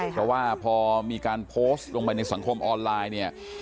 เพราะว่าพอมีการโพสต์ลงไปในสังคมออนไลน์เนี่ย